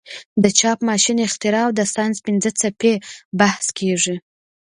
د چاپ ماشین اختراع او د ساینس پنځه څپې بحث کیږي.